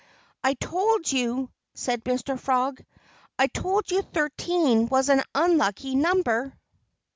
"I told you " said Mr. Frog "I told you thirteen was an unlucky number."